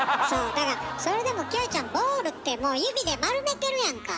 それでもキョエちゃん「ボール」ってもう指で丸めてるやんか。